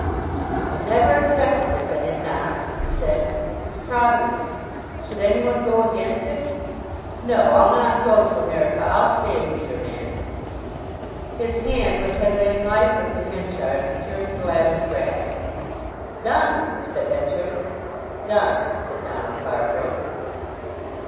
"I never expected this—I did not!" he said. "It's Providence! Should any one go against it? No; I'll not go to America; I'll stay and be your man!" His hand, which had lain lifeless in Henchard's, returned the latter's grasp. "Done," said Henchard. "Done," said Donald Farfrae.